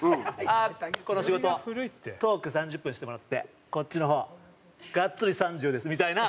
「あっこの仕事トーク３０分してもらってこっちの方がっつり３０です」みたいな。